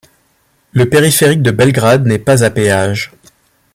Le Périphérique de Belgrade n'est pas à péage.